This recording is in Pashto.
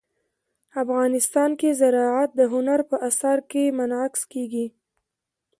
افغانستان کې زراعت د هنر په اثار کې منعکس کېږي.